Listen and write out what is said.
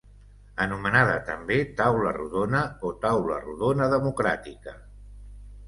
Anomenada, també Taula Rodona, o Taula Rodona Democràtica.